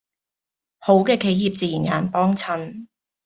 好嘅企業自然有人幫襯